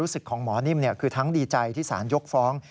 สิทธิ์ของหมอนิ่มเนี่ยคือทั้งดีใจที่ศาลยกฟ้อง